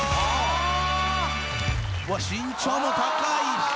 身長も高いし。